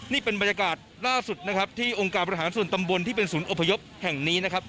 นี่เป็นบรรยากาศล่าสุดนะครับที่องค์การบริหารส่วนตำบลที่เป็นศูนย์อพยพแห่งนี้นะครับ